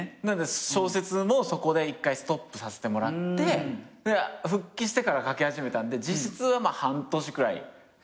なんで小説もそこで１回ストップさせてもらって復帰してから書き始めたんで実質は半年くらい。